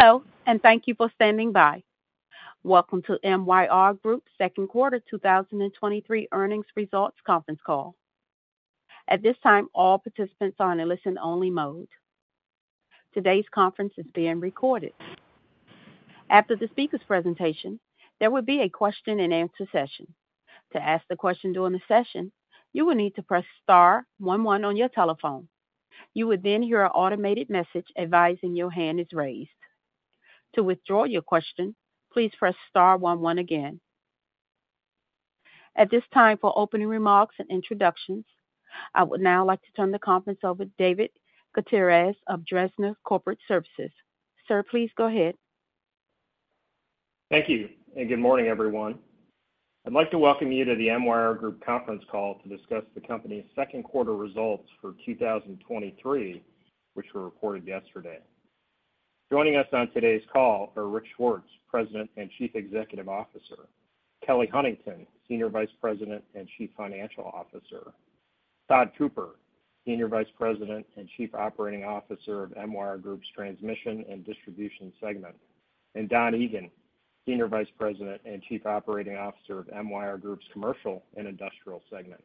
Hello, thank you for standing by. Welcome to MYR Group's Second Quarter 2023 Earnings Results Conference Call. At this time, all participants are in a listen-only mode. Today's conference is being recorded. After the speaker's presentation, there will be a question-and-answer session. To ask the question during the session, you will need to press star one one on your telephone. You would hear an automated message advising your hand is raised. To withdraw your question, please press star one one again. At this time, for opening remarks and introductions, I would now like to turn the conference over to David Gutierrez of Dresner Corporate Services. Sir, please go ahead. Thank you, and good morning, everyone. I'd like to welcome you to the MYR Group conference call to discuss the company's second quarter results for 2023, which were reported yesterday. Joining us on today's call are Rick Swartz, President and Chief Executive Officer; Kelly Huntington, Senior Vice President and Chief Financial Officer; Todd Cooper, Senior Vice President and Chief Operating Officer of MYR Group's Transmission & Distribution segment; and Don Egan, Senior Vice President and Chief Operating Officer of MYR Group's Commercial & Industrial segment.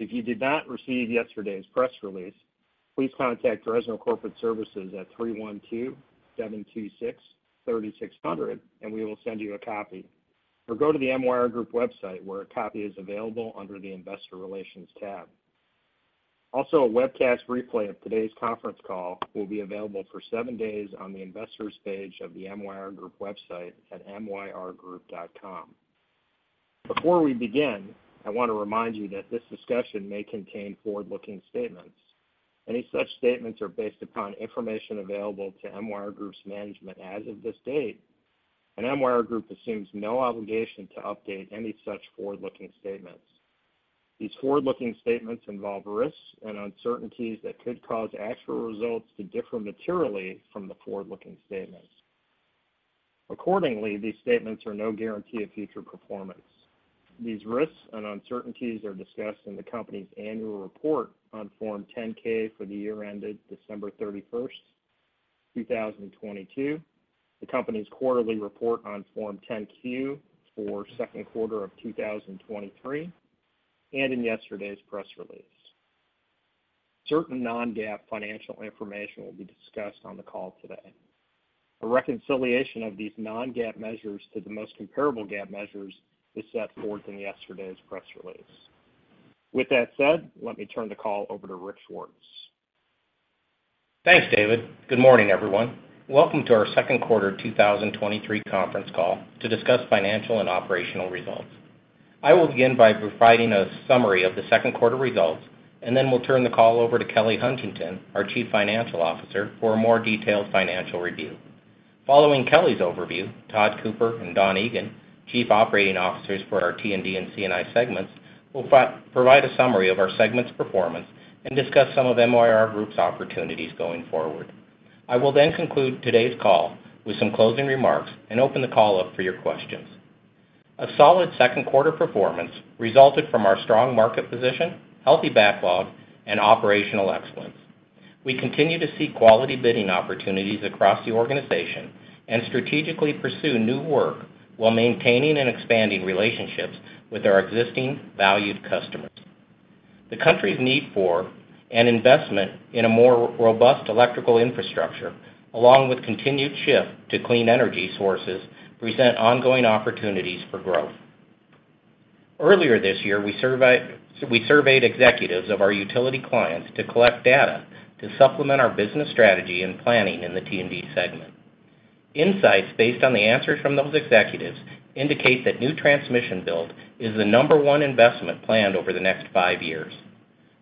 If you did not receive yesterday's press release, please contact Dresner Corporate Services at 312-726-3600, and we will send you a copy, or go to the MYR Group website, where a copy is available under the Investor Relations tab. Also, a webcast replay of today's conference call will be available for 7 days on the Investors page of the MYR Group website at myrgroup.com. Before we begin, I want to remind you that this discussion may contain forward-looking statements. Any such statements are based upon information available to MYR Group's management as of this date. MYR Group assumes no obligation to update any such forward-looking statements. These forward-looking statements involve risks and uncertainties that could cause actual results to differ materially from the forward-looking statements. Accordingly, these statements are no guarantee of future performance. These risks and uncertainties are discussed in the company's annual report on Form 10-K for the year ended December 31, 2022, the company's quarterly report on Form 10-Q for second quarter of 2023. In yesterday's press release. Certain non-GAAP financial information will be discussed on the call today. A reconciliation of these non-GAAP measures to the most comparable GAAP measures is set forth in yesterday's press release. With that said, let me turn the call over to Rick Swartz. Thanks, David. Good morning, everyone. Welcome to our second quarter 2023 conference call to discuss financial and operational results. I will begin by providing a summary of the second quarter results, and then we'll turn the call over to Kelly Huntington, our Chief Financial Officer, for a more detailed financial review. Following Kelly's overview, Todd Cooper and Don Egan, Chief Operating Officers for our T&D and C&I segments, will provide a summary of our segment's performance and discuss some of MYR Group's opportunities going forward. I will conclude today's call with some closing remarks and open the call up for your questions. A solid second quarter performance resulted from our strong market position, healthy backlog, and operational excellence. We continue to see quality bidding opportunities across the organization and strategically pursue new work while maintaining and expanding relationships with our existing valued customers. The country's need for an investment in a more robust electrical infrastructure, along with continued shift to clean energy sources, present ongoing opportunities for growth. Earlier this year, we surveyed executives of our utility clients to collect data to supplement our business strategy and planning in the T&D segment. Insights based on the answers from those executives indicate that new transmission build is the number one investment planned over the next five years.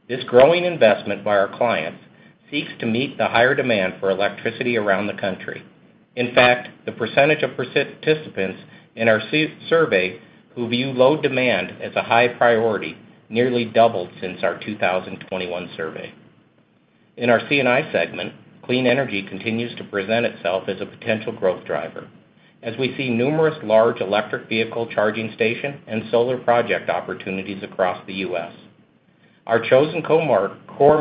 This growing investment by our clients seeks to meet the higher demand for electricity around the country. In fact, the percentage of participants in our survey who view low demand as a high priority nearly doubled since our 2021 survey. In our C&I segment, clean energy continues to present itself as a potential growth driver, as we see numerous large electric vehicle charging station and solar project opportunities across the U.S. Our chosen core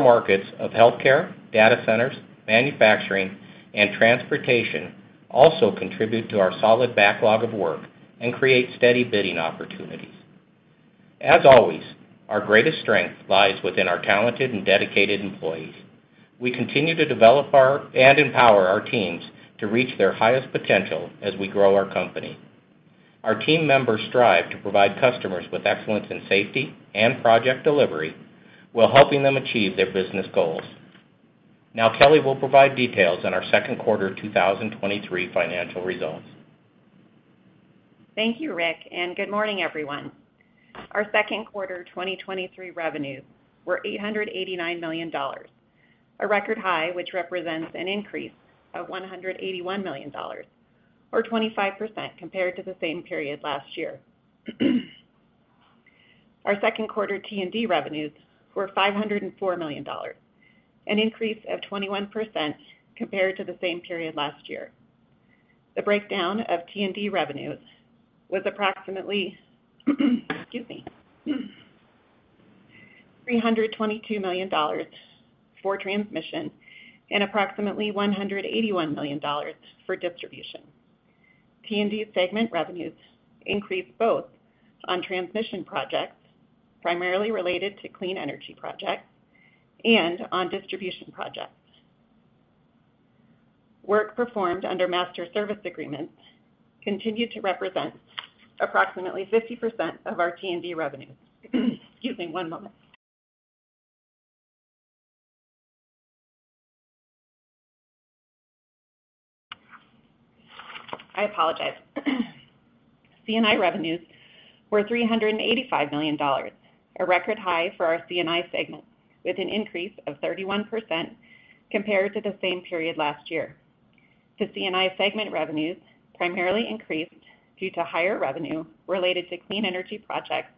markets of healthcare, data centers, manufacturing, and transportation also contribute to our solid backlog of work and create steady bidding opportunities. As always, our greatest strength lies within our talented and dedicated employees. We continue to develop our and empower our teams to reach their highest potential as we grow our company. Our team members strive to provide customers with excellence in safety and project delivery, while helping them achieve their business goals. Now, Kelly will provide details on our second quarter 2023 financial results. Thank you, Rick. Good morning, everyone. Our second quarter 2023 revenues were $889 million, a record high, which represents an increase of $181 million, or 25% compared to the same period last year. Our second quarter T&D revenues were $504 million, an increase of 21% compared to the same period last year. The breakdown of T&D revenues was approximately, excuse me.... $322 million for transmission and approximately $181 million for distribution. T&D segment revenues increased both on transmission projects, primarily related to clean energy projects and on distribution projects. Work performed under master service agreements continued to represent approximately 50% of our T&D revenues. Excuse me, one moment. I apologize. C&I revenues were $385 million, a record high for our C&I segment, with an increase of 31% compared to the same period last year. The C&I segment revenues primarily increased due to higher revenue related to clean energy projects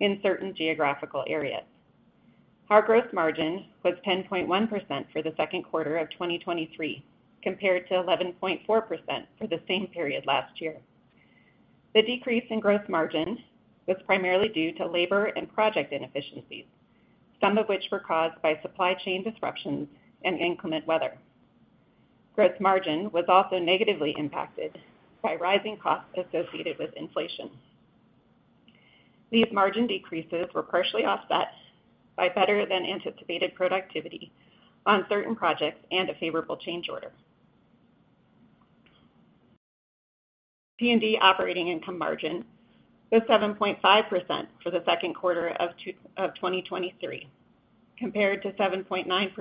in certain geographical areas. Our growth margin was 10.1% for the second quarter of 2023, compared to 11.4% for the same period last year. The decrease in growth margin was primarily due to labor and project inefficiencies, some of which were caused by supply chain disruptions and inclement weather. Growth margin was also negatively impacted by rising costs associated with inflation. These margin decreases were partially offset by better than anticipated productivity on certain projects and a favorable change order. T&D operating income margin was 7.5% for the second quarter of 2023, compared to 7.9%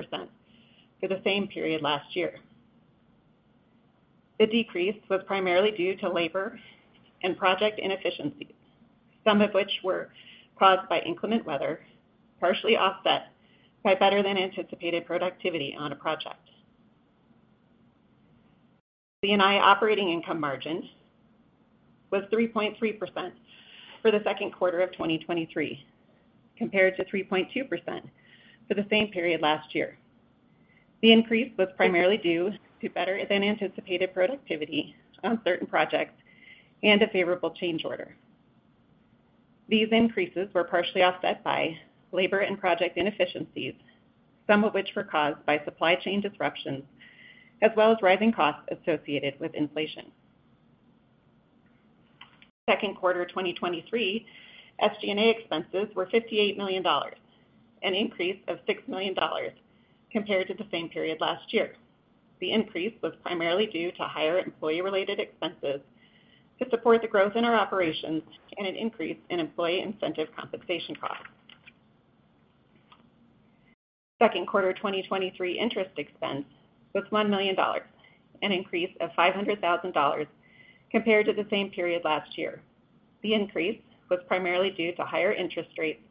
for the same period last year. The decrease was primarily due to labor and project inefficiencies, some of which were caused by inclement weather, partially offset by better than anticipated productivity on a project. C&I operating income margin was 3.3% for the second quarter of 2023, compared to 3.2% for the same period last year. The increase was primarily due to better than anticipated productivity on certain projects and a favorable change order. These increases were partially offset by labor and project inefficiencies, some of which were caused by supply chain disruptions, as well as rising costs associated with inflation. Second quarter 2023, SG&A expenses were $58 million, an increase of $6 million compared to the same period last year. The increase was primarily due to higher employee-related expenses to support the growth in our operations and an increase in employee incentive compensation costs. Second quarter 2023 interest expense was $1 million, an increase of $500,000 compared to the same period last year. The increase was primarily due to higher interest rates,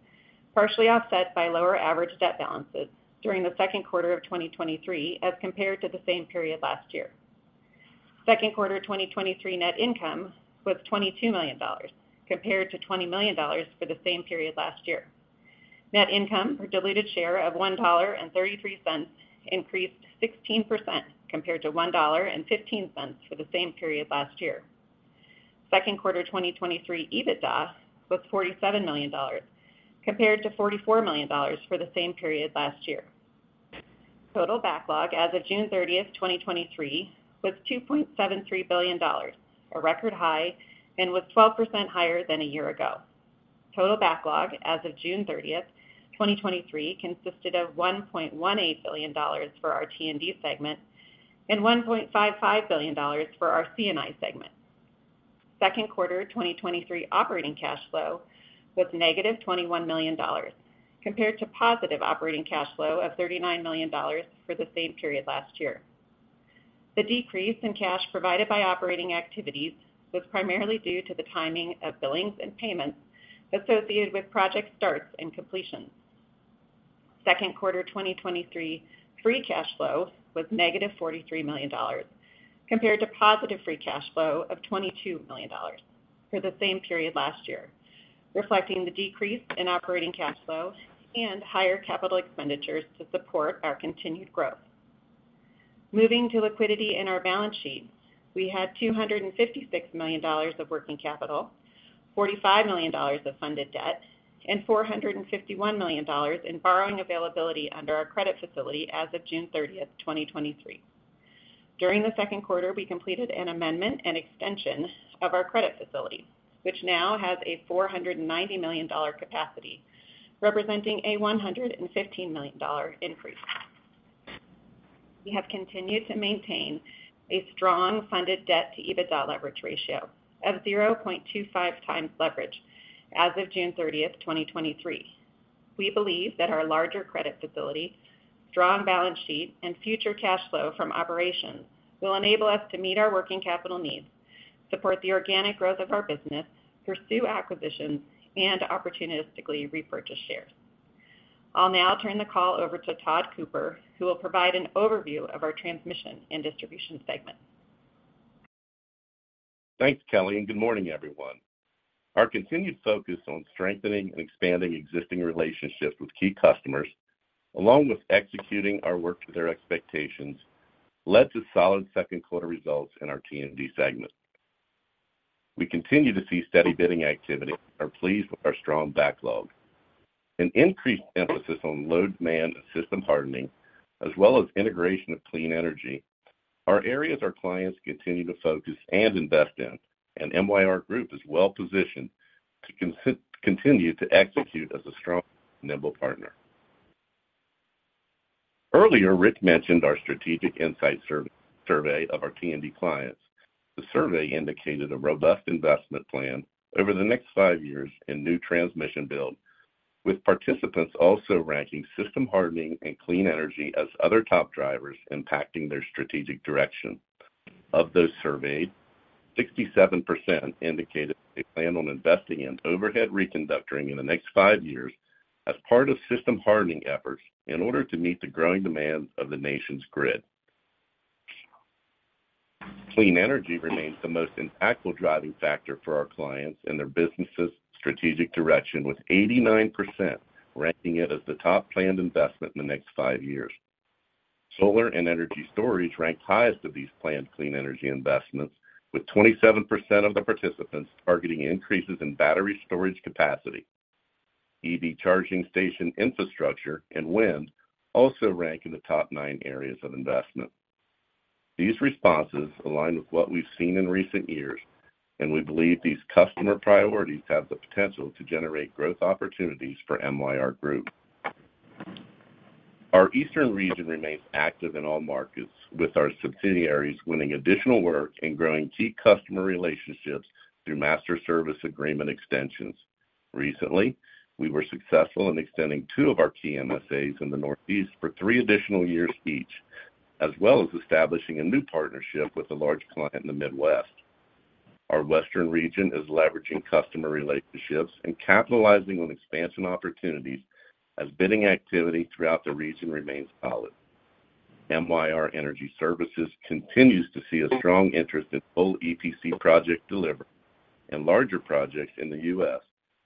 partially offset by lower average debt balances during the second quarter of 2023 as compared to the same period last year. Second quarter 2023 net income was $22 million, compared to $20 million for the same period last year. Net income per diluted share of $1.33 increased 16%, compared to $1.15 for the same period last year. Second quarter 2023 EBITDA was $47 million, compared to $44 million for the same period last year. Total backlog as of June 30th, 2023, was $2.73 billion, a record high and was 12% higher than a year ago. Total backlog as of June 30th, 2023, consisted of $1.18 billion for our T&D segment and $1.55 billion for our C&I segment. Second quarter 2023 operating cash flow was negative $21 million, compared to positive operating cash flow of $39 million for the same period last year. The decrease in cash provided by operating activities was primarily due to the timing of billings and payments associated with project starts and completions. Second quarter 2023 free cash flow was negative $43 million, compared to positive free cash flow of $22 million for the same period last year, reflecting the decrease in operating cash flow and higher capital expenditures to support our continued growth. Moving to liquidity in our balance sheet, we had $256 million of working capital, $45 million of funded debt, and $451 million in borrowing availability under our credit facility as of June 30, 2023. During the second quarter, we completed an amendment and extension of our credit facility, which now has a $490 million capacity, representing a $115 million increase. We have continued to maintain a strong funded debt to EBITDA leverage ratio of 0.25 times leverage as of June 30, 2023. We believe that our larger credit facility, strong balance sheet, and future cash flow from operations will enable us to meet our working capital needs, support the organic growth of our business, pursue acquisitions, and opportunistically repurchase shares. I'll now turn the call over to Todd Cooper, who will provide an overview of our Transmission and Distribution segment. Thanks, Kelly. Good morning, everyone. Our continued focus on strengthening and expanding existing relationships with key customers, along with executing our work to their expectations, led to solid second quarter results in our T&D segment. We continue to see steady bidding activity and are pleased with our strong backlog. An increased emphasis on load demand and system hardening, as well as integration of clean energy, are areas our clients continue to focus and invest in. MYR Group is well positioned to continue to execute as a strong, nimble partner. Earlier, Rick mentioned our strategic insight survey of our T&D clients. The survey indicated a robust investment plan over the next five years in new transmission build, with participants also ranking system hardening and clean energy as other top drivers impacting their strategic direction. Of those surveyed, 67% indicated they plan on investing in overhead reconductoring in the next 5 years as part of system hardening efforts in order to meet the growing demands of the nation's grid. Clean energy remains the most impactful driving factor for our clients and their business's strategic direction, with 89% ranking it as the top planned investment in the next 5 years. Solar and energy storage ranked highest of these planned clean energy investments, with 27% of the participants targeting increases in battery storage capacity. EV charging station infrastructure and wind also rank in the Top nine areas of investment. These responses align with what we've seen in recent years, and we believe these customer priorities have the potential to generate growth opportunities for MYR Group. Our eastern region remains active in all markets, with our subsidiaries winning additional work and growing key customer relationships through master service agreement extensions. Recently, we were successful in extending two of our key MSAs in the Northeast for three additional years each, as well as establishing a new partnership with a large client in the Midwest. Our western region is leveraging customer relationships and capitalizing on expansion opportunities as bidding activity throughout the region remains solid. MYR Energy Services continues to see a strong interest in full EPC project delivery and larger projects in the U.S.,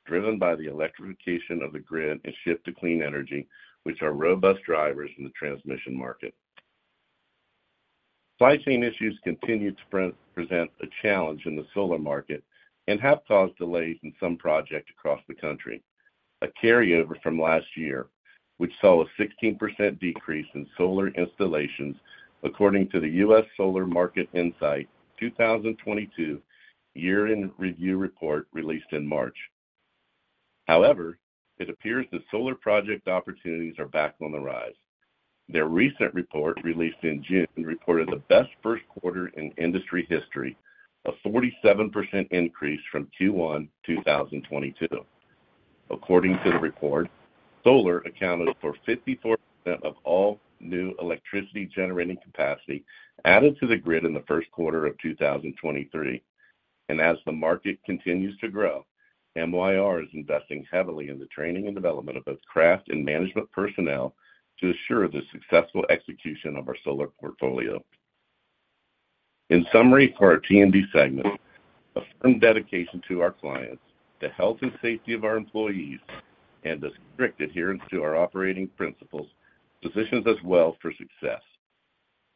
driven by the electrification of the grid and shift to clean energy, which are robust drivers in the transmission market. Supply chain issues continue to present a challenge in the solar market and have caused delays in some projects across the country, a carryover from last year, which saw a 16% decrease in solar installations, according to the U.S. Solar Market Insight 2022 Year-End Review report, released in March. It appears that solar project opportunities are back on the rise. Their recent report, released in June, reported the best first quarter in industry history, a 47% increase from Q1 2022. According to the report, solar accounted for 54% of all new electricity-generating capacity added to the grid in the first quarter of 2023. As the market continues to grow, MYR is investing heavily in the training and development of both craft and management personnel to assure the successful execution of our solar portfolio. In summary, for our T&D segment, a firm dedication to our clients, the health and safety of our employees, and a strict adherence to our operating principles positions us well for success.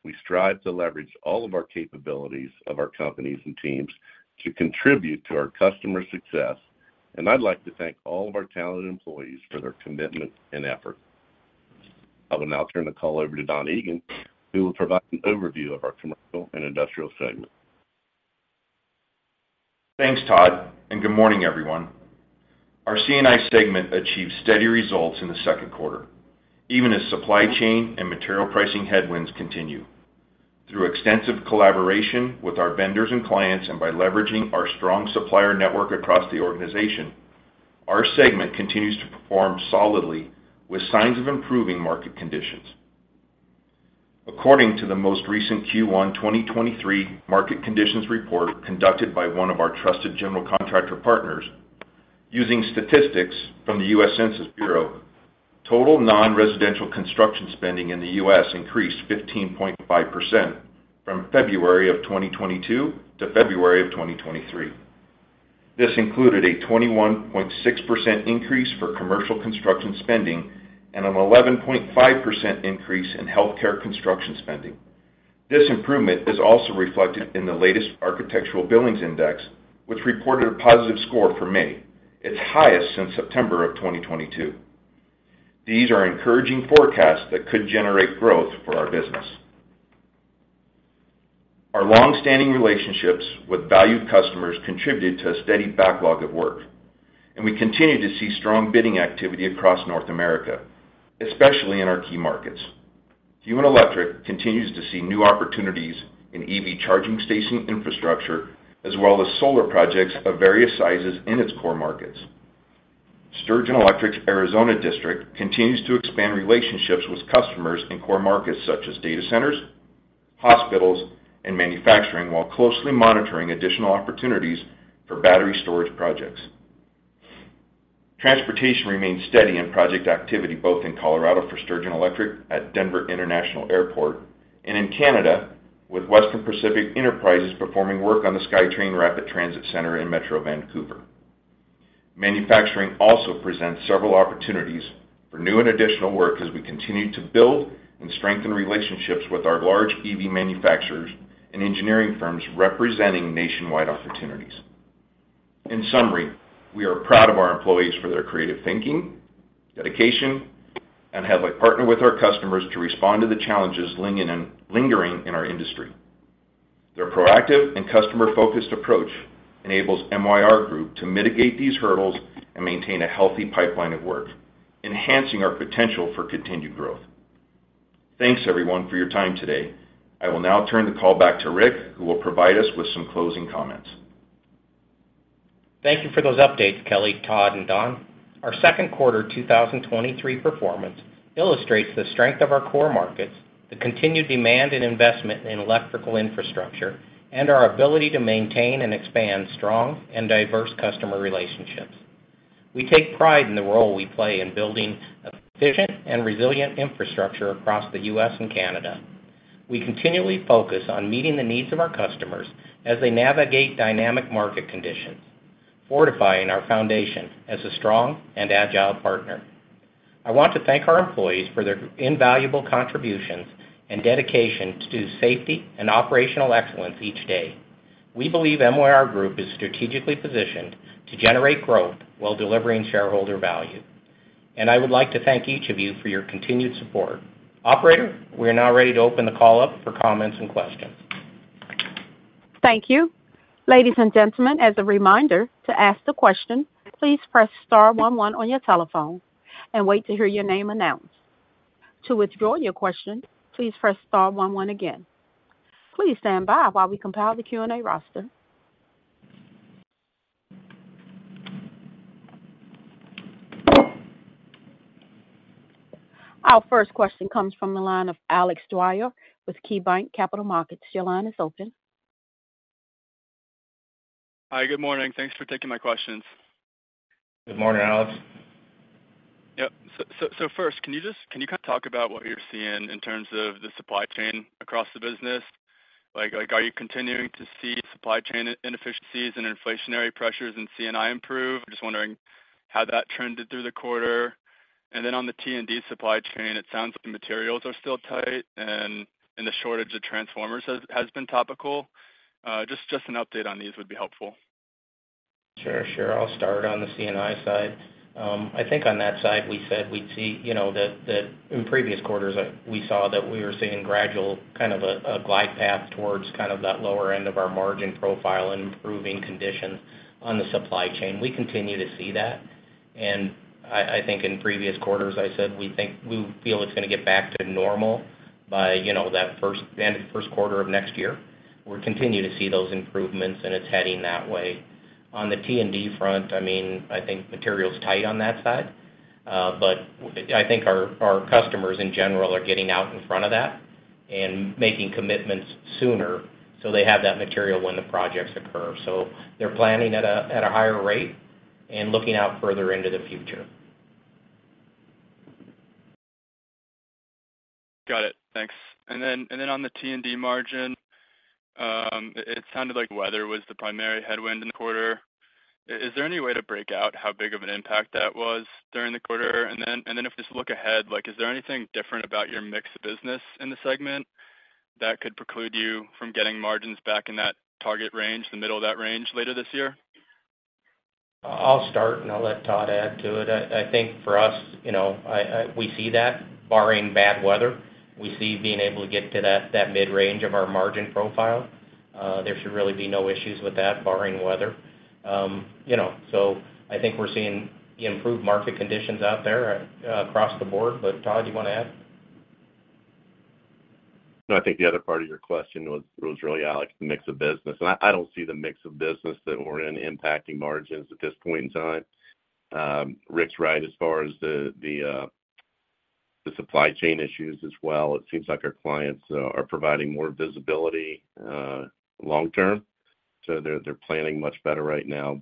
We strive to leverage all of our capabilities of our companies and teams to contribute to our customers' success. I'd like to thank all of our talented employees for their commitment and effort. I will now turn the call over to Don Egan, who will provide an overview of our Commercial & Industrial segment. Thanks, Todd. Good morning, everyone. Our C&I segment achieved steady results in the second quarter, even as supply chain and material pricing headwinds continue. Through extensive collaboration with our vendors and clients, and by leveraging our strong supplier network across the organization, our segment continues to perform solidly with signs of improving market conditions. According to the most recent Q1 2023 Market Conditions Report, conducted by one of our trusted general contractor partners, using statistics from the U.S. Census Bureau, total non-residential construction spending in the US increased 15.5% from February 2022-February 2023. This included a 21.6% increase for commercial construction spending and an 11.5% increase in healthcare construction spending. This improvement is also reflected in the latest Architectural Billings Index, which reported a positive score for May, its highest since September of 2022. These are encouraging forecasts that could generate growth for our business. Our long-standing relationships with valued customers contributed to a steady backlog of work, and we continue to see strong bidding activity across North America, especially in our key markets. Huen Electric continues to see new opportunities in EV charging station infrastructure, as well as solar projects of various sizes in its core markets. Sturgeon Electric's Arizona district continues to expand relationships with customers in core markets such as data centers, hospitals, and manufacturing, while closely monitoring additional opportunities for battery storage projects. Transportation remains steady in project activity, both in Colorado for Sturgeon Electric at Denver International Airport, and in Canada, with Western Pacific Enterprises performing work on the SkyTrain Rapid Transit Center in Metro Vancouver. Manufacturing also presents several opportunities for new and additional work as we continue to build and strengthen relationships with our large EV manufacturers and engineering firms representing nationwide opportunities. In summary, we are proud of our employees for their creative thinking, dedication, and how they partner with our customers to respond to the challenges lingering in our industry. Their proactive and customer-focused approach enables MYR Group to mitigate these hurdles and maintain a healthy pipeline of work, enhancing our potential for continued growth. Thanks, everyone, for your time today. I will now turn the call back to Rick, who will provide us with some closing comments. Thank you for those updates, Kelly, Todd, and Don. Our second quarter 2023 performance illustrates the strength of our core markets, the continued demand and investment in electrical infrastructure, and our ability to maintain and expand strong and diverse customer relationships. We take pride in the role we play in building efficient and resilient infrastructure across the U.S. and Canada. We continually focus on meeting the needs of our customers as they navigate dynamic market conditions, fortifying our foundation as a strong and agile partner. I want to thank our employees for their invaluable contributions and dedication to safety and operational excellence each day. We believe MYR Group is strategically positioned to generate growth while delivering shareholder value, and I would like to thank each of you for your continued support. Operator, we are now ready to open the call up for comments and questions. Thank you. Ladies and gentlemen, as a reminder, to ask the question, please press star one one on your telephone and wait to hear your name announced. To withdraw your question, please press star one one again. Please stand by while we compile the Q&A roster. Our first question comes from the line of Alex Dwyer with KeyBanc Capital Markets. Your line is open. Hi, good morning. Thanks for taking my questions. Good morning, Alex. Yep. First, can you kind of talk about what you're seeing in terms of the supply chain across the business? Like, are you continuing to see supply chain inefficiencies and inflationary pressures in C&I improve? I'm just wondering how that trended through the quarter. On the T&D supply chain, it sounds like the materials are still tight, and the shortage of transformers has been topical. Just an update on these would be helpful. Sure, sure. I'll start on the C&I side. I think on that side, we said we'd see, you know, that in previous quarters, we saw that we were seeing gradual, kind of a glide path towards kind of that lower end of our margin profile and improving conditions on the supply chain. We continue to see that. I think in previous quarters, I said we feel it's gonna get back to normal by, you know, the end of the first quarter of next year. We're continuing to see those improvements, and it's heading that way. On the T&D front, I mean, I think material's tight on that side. I think our customers, in general, are getting out in front of that and making commitments sooner, so they have that material when the projects occur. They're planning at a higher rate and looking out further into the future. Got it. Thanks. Then on the T&D margin, it sounded like weather was the primary headwind in the quarter. Is there any way to break out how big of an impact that was during the quarter? Then if we just look ahead, like, is there anything different about your mix of business in the segment that could preclude you from getting margins back in that target range, the middle of that range, later this year? I'll start, and I'll let Todd add to it. I think for us, we see that barring bad weather, we see being able to get to that mid-range of our margin profile. There should really be no issues with that, barring weather. So I think we're seeing the improved market conditions out there, across the board. Todd, you want to add? No, I think the other part of your question was, was really, Alex, the mix of business. I, I don't see the mix of business that we're in impacting margins at this point in time. Rick's right, as far as the supply chain issues as well. It seems like our clients are providing more visibility long term, so they're planning much better right now.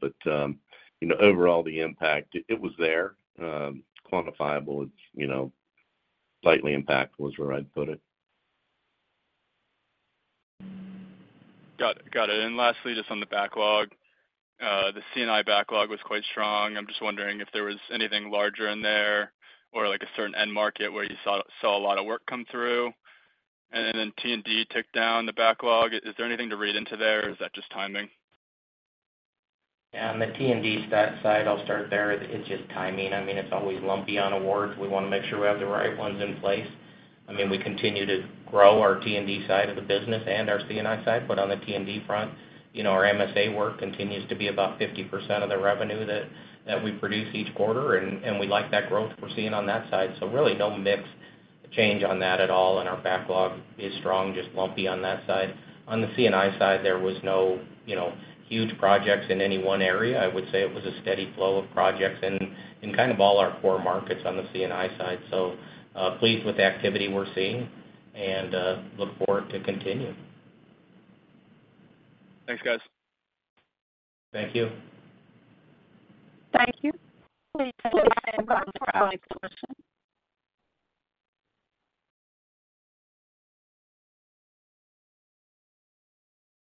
You know, overall, the impact, it was there. It's quantifiable. It's, you know, slightly impactful, is where I'd put it. Got it, got it. lastly, just on the backlog. The C&I backlog was quite strong. I'm just wondering if there was anything larger in there or like a certain end market where you saw a lot of work come through. Then T&D ticked down the backlog. Is there anything to read into there, or is that just timing? Yeah, on the T&D stat side, I'll start there. It's just timing. I mean, it's always lumpy on awards. We want to make sure we have the right ones in place. I mean, we continue to grow our T&D side of the business and our C&I side, but on the T&D front, you know, our MSA work continues to be about 50% of the revenue that we produce each quarter, and we like that growth we're seeing on that side. Really no mix change on that at all, and our backlog is strong, just lumpy on that side. On the C&I side, there was no, you know, huge projects in any one area. I would say it was a steady flow of projects in kind of all our core markets on the C&I side. Pleased with the activity we're seeing and look forward to continuing. Thanks, guys. Thank you. Thank you. Please provide the next question.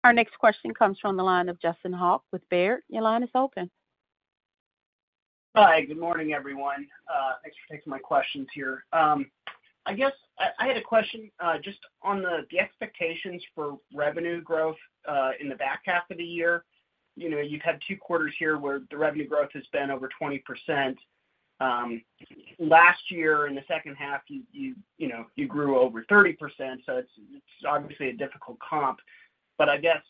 Our next question comes from the line of Justin Hawk with Baird. Your line is open. Hi, good morning, everyone. thanks for taking my questions here. I guess I had a question just on the expectations for revenue growth in the back half of the year. You know, you've had two quarters here where the revenue growth has been over 20%. Last year in the second half, you, you know, you grew over 30%, so it's, it's obviously a difficult comp. I guess,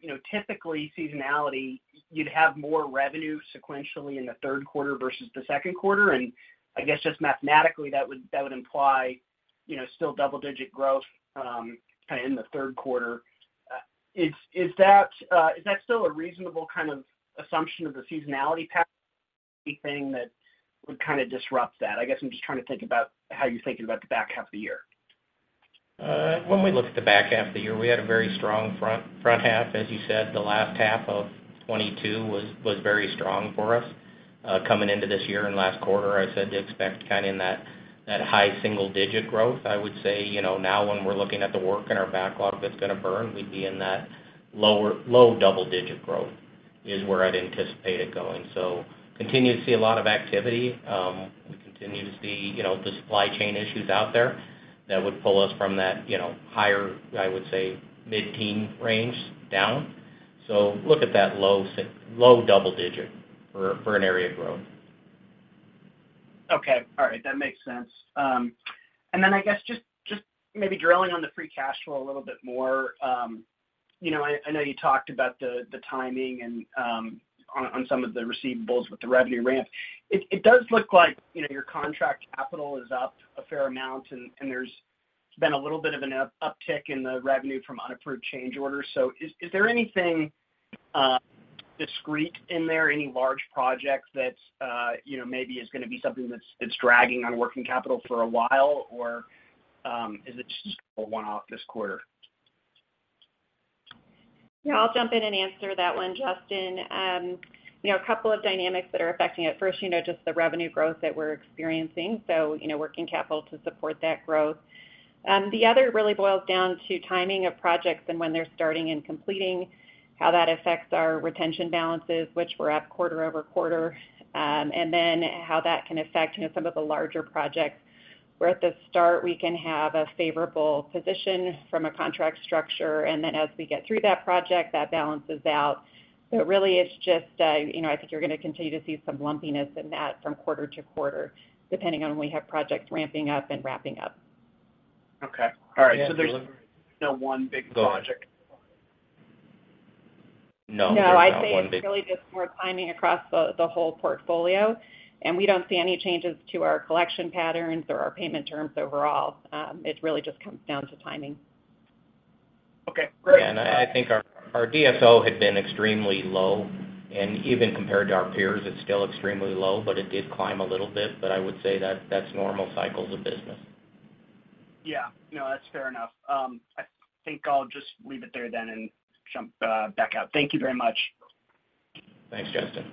you know, typically seasonality, you'd have more revenue sequentially in the third quarter versus the second quarter, and I guess just mathematically, that would imply, you know, still double-digit growth in the third quarter. Is that still a reasonable kind of assumption of the seasonality pattern thing that would kinda disrupt that? I guess I'm just trying to think about how you're thinking about the back half of the year. When we look at the back half of the year, we had a very strong front half, as you said, the last half of 2022 was very strong for us. Coming into this year and last quarter, I said to expect kind in that high single-digit growth. I would say, you know, now when we're looking at the work in our backlog that's going to burn, we'd be in that low double-digit growth is where I'd anticipate it going. Continue to see a lot of activity. We continue to see, you know, the supply chain issues out there that would pull us from that, you know, higher, I would say, mid-teen range down. Look at that low double-digit for an area growth. Okay, all right. That makes sense. I guess just maybe drilling on the free cash flow a little bit more, you know, I know you talked about the timing and on some of the receivables with the revenue ramp. It does look like, you know, your contract capital is up a fair amount, and there's been a little bit of an uptick in the revenue from unapproved change orders. Is there anything discrete in there, any large projects that, you know, maybe is gonna be something that's dragging on working capital for a while, or is it just a one-off this quarter? Yeah, I'll jump in and answer that one, Justin. You know, a couple of dynamics that are affecting it. First, you know, just the revenue growth that we're experiencing, so, you know, working capital to support that growth. The other really boils down to timing of projects and when they're starting and completing, how that affects our retention balances, which were up quarter-over-quarter, and then how that can affect, you know, some of the larger projects, where at the start, we can have a favorable position from a contract structure, and then as we get through that project, that balances out. It really is just, you know, I think you're gonna continue to see some lumpiness in that from quarter to quarter, depending on when we have projects ramping up and wrapping up. Okay. All right. Yeah- There's no one big project? Go ahead. No, there's not one. No, I'd say it's really just more timing across the whole portfolio, and we don't see any changes to our collection patterns or our payment terms overall. It really just comes down to timing. Okay, great. Yeah, and I think our DSO had been extremely low, and even compared to our peers, it's still extremely low, but it did climb a little bit, but I would say that that's normal cycles of business. Yeah. No, that's fair enough. I think I'll just leave it there then and jump back out. Thank you very much. Thanks, Justin.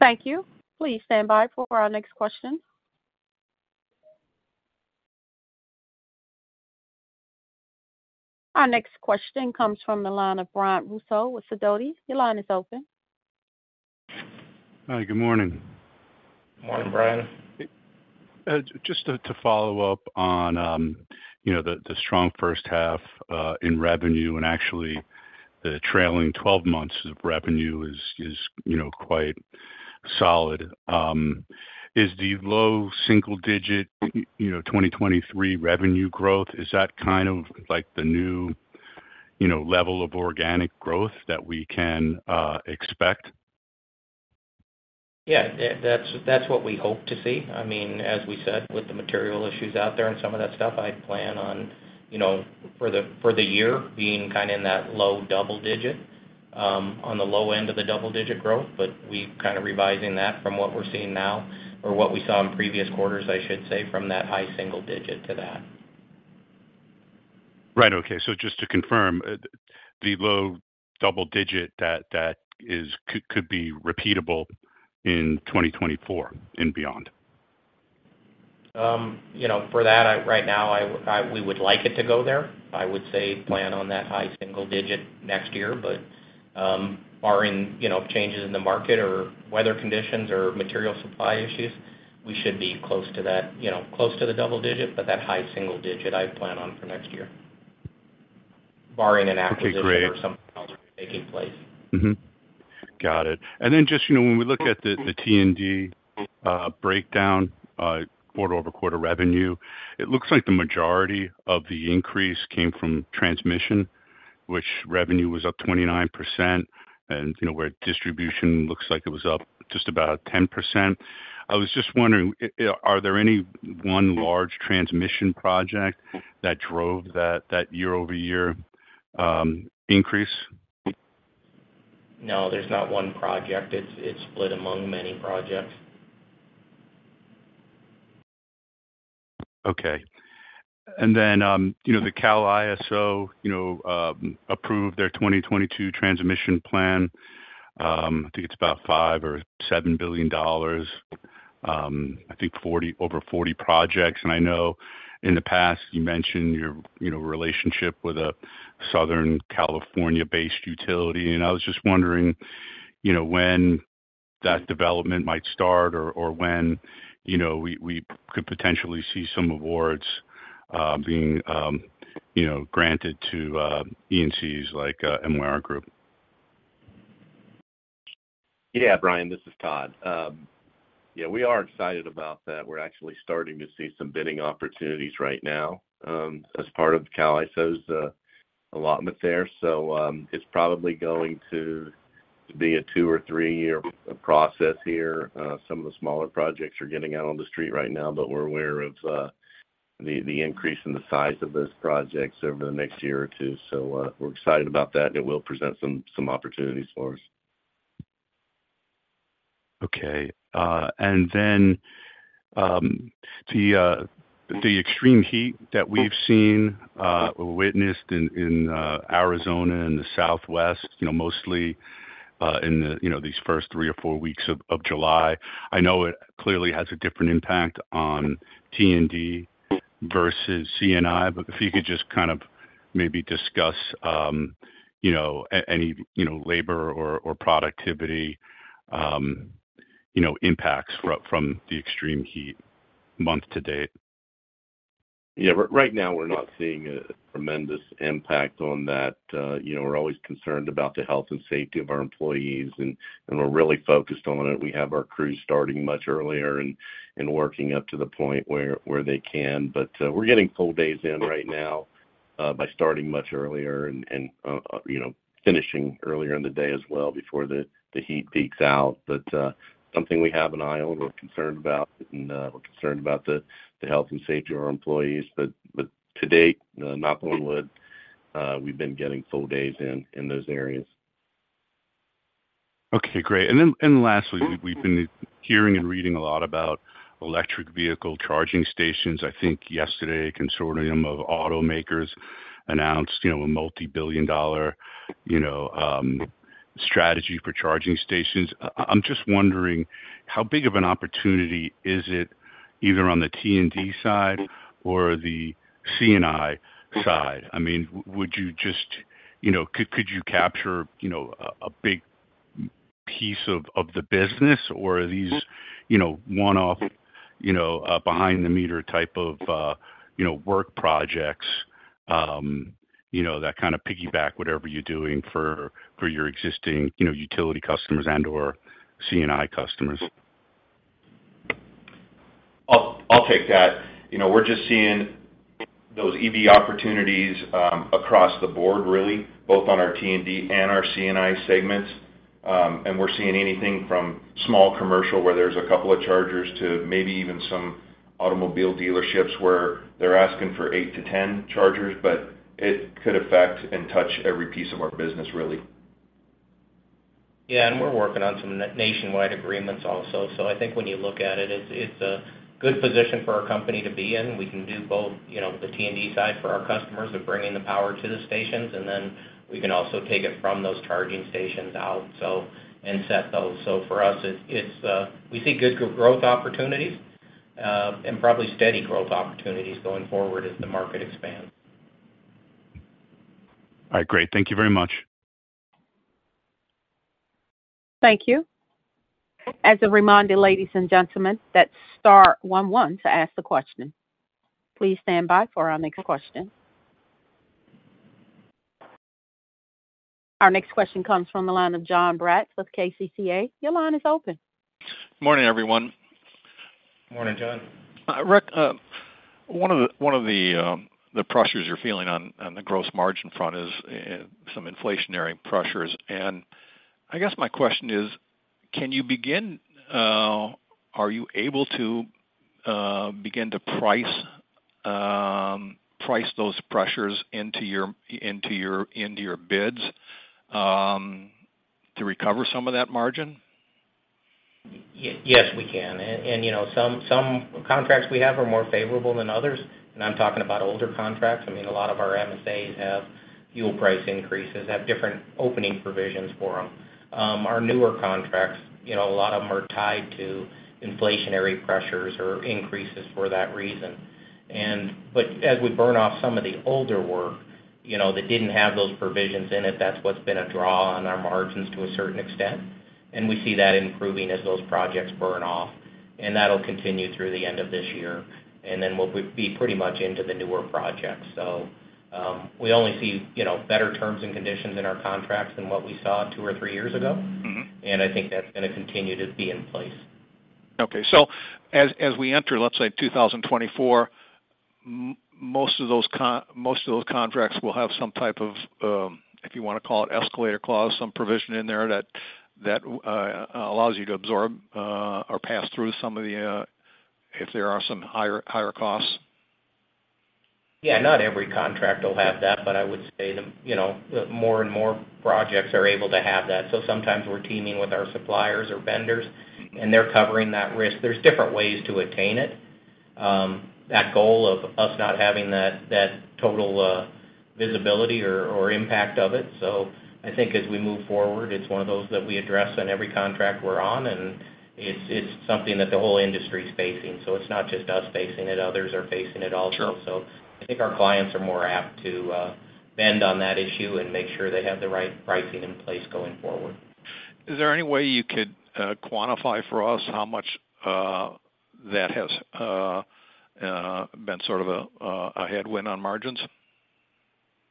Thank you. Please stand by for our next question. Our next question comes from the line of Bryant Russo with Sidoti. Your line is open. Hi, good morning. Morning, Brian. Just to follow up on, you know, the strong first half in revenue, and actually, the trailing 12 months of revenue is, you know, quite solid. Is the low single digit, you know, 2023 revenue growth, is that kind of like the new, you know, level of organic growth that we can expect? Yeah, that's what we hope to see. I mean, as we said, with the material issues out there and some of that stuff, I'd plan on, you know, for the year, being kinda in that low double-digit, on the low end of the double-digit growth. We kind of revising that from what we're seeing now or what we saw in previous quarters, I should say, from that high single-digit to that. Right. Okay. just to confirm, the low double digit that is could be repeatable in 2024 and beyond? you know, for that, right now, I... we would like it to go there. I would say plan on that high single digit next year, but, barring, you know, changes in the market or weather conditions or material supply issues, we should be close to that, you know, close to the double digit, but that high single digit, I'd plan on for next year, barring an acquisition. Okay, great. Something else taking place. Got it. Just, you know, when we look at the T&D breakdown, quarter-over-quarter revenue, it looks like the majority of the increase came from transmission, which revenue was up 29%, and, you know, where distribution looks like it was up just about 10%. I was just wondering, are there any one large transmission project that drove that year-over-year increase? No, there's not one project. It's split among many projects. Okay. You know, the Cal ISO, you know, approved their 2022 transmission plan. I think it's about $5 billion or $7 billion, I think 40, over 40 projects. I know in the past you mentioned your, you know, relationship with a Southern California-based utility, and I was just wondering, you know, when that development might start or when, you know, we could potentially see some awards being, you know, granted to EMCs like MYR Group. Yeah, Brian, this is Todd. Yeah, we are excited about that. We're actually starting to see some bidding opportunities right now, as part of the Cal ISO's allotment there. It's probably going to be a two or three-year process here. Some of the smaller projects are getting out on the street right now, but we're aware of the increase in the size of those projects over the next year or two. We're excited about that, it will present some opportunities for us. The extreme heat that we've seen or witnessed in Arizona and the Southwest, you know, mostly in the, you know, these first three or four weeks of July. I know it clearly has a different impact on T&D versus C&I, but if you could just kind of maybe discuss, you know, any, you know, labor or productivity, you know, impacts from the extreme heat month to date. Yeah, right now, we're not seeing a tremendous impact on that. You know, we're always concerned about the health and safety of our employees, and we're really focused on it. We have our crews starting much earlier and working up to the point where they can. We're getting full days in right now, by starting much earlier and, you know, finishing earlier in the day as well before the heat peaks out. Something we have an eye on, we're concerned about, and we're concerned about the health and safety of our employees, but to date, knock on wood, we've been getting full days in, in those areas. Okay, great. Lastly, we've been hearing and reading a lot about electric vehicle charging stations. I think yesterday, a consortium of automakers announced, you know, a $multi-billion, you know, strategy for charging stations. I'm just wondering, how big of an opportunity is it, either on the T&D side or the C&I side? I mean, would you just. You know, could you capture, you know, a big piece of the business, or are these, you know, one-off, you know, behind the meter type of, you know, work projects, you know, that kind of piggyback whatever you're doing for your existing, you know, utility customers and, or C&I customers? I'll take that. You know, we're just seeing those EV opportunities across the board, really, both on our T&D and our C&I segments. We're seeing anything from small commercial, where there's a couple of chargers, to maybe even some automobile dealerships, where they're asking for 8-10 chargers, it could affect and touch every piece of our business, really. Yeah, we're working on some nationwide agreements also. I think when you look at it, it's a good position for our company to be in. We can do both, you know, the T&D side for our customers of bringing the power to the stations, and then we can also take it from those charging stations out, so, and set those. For us, it's, we see good growth opportunities, and probably steady growth opportunities going forward as the market expands. All right, great. Thank you very much. Thank you. As a reminder, ladies and gentlemen, that's star one one to ask the question. Please stand by for our next question. Our next question comes from the line of Jon Braatz with KCCA. Your line is open. Morning, everyone. Morning, Jon. Rick, one of the pressures you're feeling on the gross margin front is some inflationary pressures. I guess my question is: Are you able to begin to price those pressures into your bids to recover some of that margin? Yes, we can. You know, some contracts we have are more favorable than others. I'm talking about older contracts. I mean, a lot of our MSAs have fuel price increases, have different opening provisions for them. Our newer contracts, you know, a lot of them are tied to inflationary pressures or increases for that reason. As we burn off some of the older work, you know, that didn't have those provisions in it, that's what's been a draw on our margins to a certain extent, and we see that improving as those projects burn off, and that'll continue through the end of this year. Then we'll be pretty much into the newer projects. We only see, you know, better terms and conditions in our contracts than what we saw two or three years ago. Mm-hmm. I think that's going to continue to be in place. Okay, as we enter, let's say, 2024, most of those contracts will have some type of, if you want to call it, escalator clause, some provision in there that allows you to absorb or pass through some of the, if there are some higher costs? Not every contract will have that, but I would say the, you know, more and more projects are able to have that. Sometimes we're teaming with our suppliers or vendors, and they're covering that risk. There's different ways to attain it. That goal of us not having that, that total visibility or, or impact of it. I think as we move forward, it's one of those that we address on every contract we're on, and it's, it's something that the whole industry is facing. It's not just us facing it, others are facing it also. Sure. I think our clients are more apt to bend on that issue and make sure they have the right pricing in place going forward. Is there any way you could quantify for us how much that has been sort of a headwind on margins?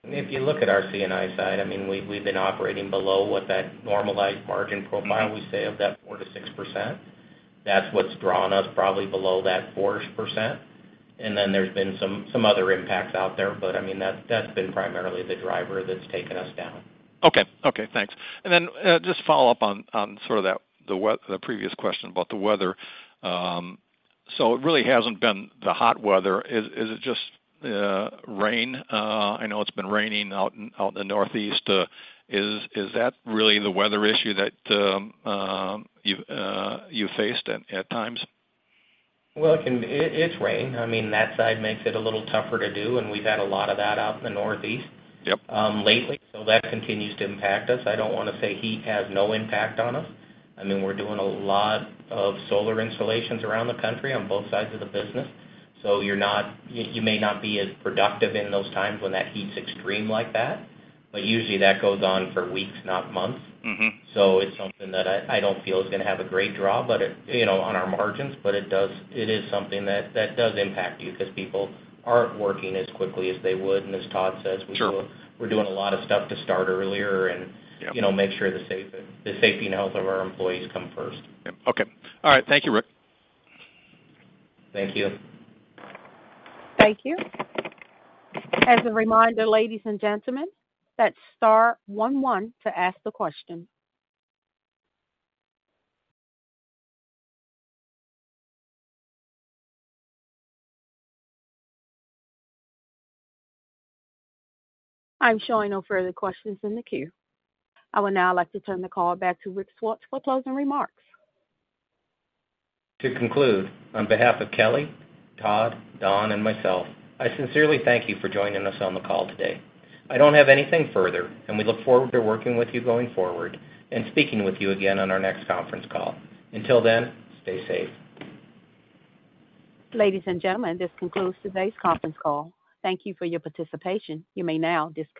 If you look at our C&I side, I mean, we've been operating below what that normalized margin profile we say of that 4%-6%. That's what's drawn us probably below that 4-ish%. There's been some other impacts out there, but I mean, that's been primarily the driver that's taken us down. Okay. Okay, thanks. Just follow up on sort of that, the previous question about the weather. It really hasn't been the hot weather. Is it just rain? I know it's been raining out in the Northeast. Is that really the weather issue that you faced at times? Well, It's rain. I mean, that side makes it a little tougher to do, and we've had a lot of that out in the Northeast- Yep. lately, that continues to impact us. I don't want to say heat has no impact on us. I mean, we're doing a lot of solar installations around the country on both sides of the business. You may not be as productive in those times when that heat is extreme like that, but usually, that goes on for weeks, not months. Mm-hmm. It's something that I don't feel is gonna have a great draw, but it, you know, on our margins, but it is something that, that does impact you because people aren't working as quickly as they would. As Todd says. Sure. we're doing a lot of stuff to start earlier and... Yep. you know, make sure the safety and health of our employees come first. Yep. Okay. All right. Thank you, Rick. Thank you. Thank you. As a reminder, ladies and gentlemen, that's star one, one to ask the question. I'm showing no further questions in the queue. I would now like to turn the call back to Rick Swartz for closing remarks. To conclude, on behalf of Kelly, Todd, Don, and myself, I sincerely thank you for joining us on the call today. I don't have anything further, and we look forward to working with you going forward and speaking with you again on our next conference call. Until then, stay safe. Ladies and gentlemen, this concludes today's conference call. Thank you for your participation. You may now disconnect.